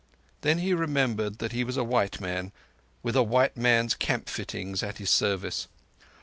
Then he remembered that he was a white man, with a white man's camp fittings at his service.